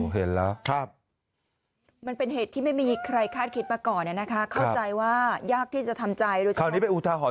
เห็นแล้วครับ